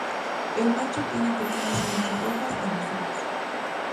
El macho tiene pequeñas manchas rojas en los ojos.